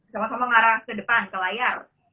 sama sama mengarah ke depan ke layar